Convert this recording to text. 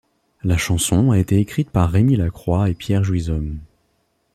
La chanson a été écrite par Rémi Lacroix et Pierre Jouishomme.